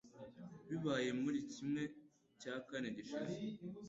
Bibaye muri kimwe cya kane gishize.